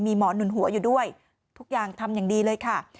มีหมอหนุนหัวอยู่ด้วยทุกอย่างทำอย่างดีเลยค่ะ